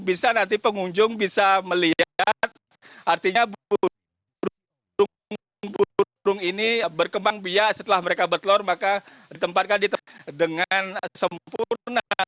bisa nanti pengunjung bisa melihat artinya burung burung ini berkembang biak setelah mereka bertelur maka ditempatkan dengan sempurna